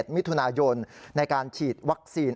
มิถุนายนในการฉีดวัคซีน